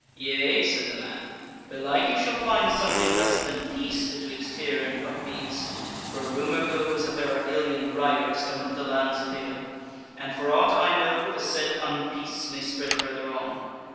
"Yea?" said the man, "belike ye shall find something less than peace betwixt here and Upmeads, for rumour goes that there are alien riders come into the lands of Higham, and for aught I know the said unpeace may spread further on.